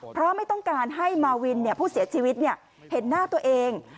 เพราะไม่ต้องการให้มาวินผู้เสียชีวิตเห็นหน้าตัวเอง